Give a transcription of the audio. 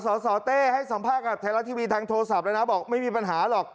สสเต้ให้สัมภาษณ์กับไทยรัฐทีวีทางโทรศัพท์เลยนะบอกไม่มีปัญหาหรอก